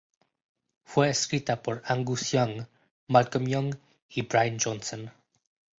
Fue escrita por Angus Young, Malcolm Young y Brian Johnson.